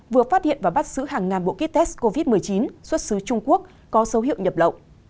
vừa phát hiện và bắt giữ hàng ngàn bộ kit test covid một mươi chín xuất xứ trung quốc có dấu hiệu nhập lậu